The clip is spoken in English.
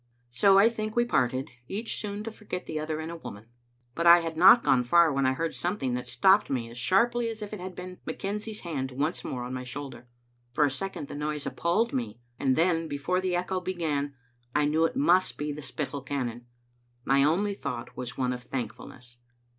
" So, I think, we parted — each soon to forget the other in a woman But I had not gone far when I heard something that stopped me as sharply as if it had been McKenzie's hand once more on my shoulder. For a second the noise appalled me, and then, before the echo began, I knew it must be the Spittal cannon. My only thought was one of thankfulness.